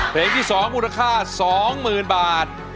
เพลงที่สองมูลค่าสองหมื่นบาท